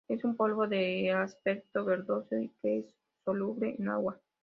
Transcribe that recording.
Es un polvo de aspecto verdoso que es soluble en agua.